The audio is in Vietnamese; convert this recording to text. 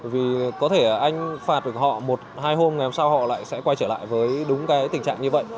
vì có thể anh phạt được họ một hai hôm ngày hôm sau họ lại sẽ quay trở lại với đúng cái tình trạng như vậy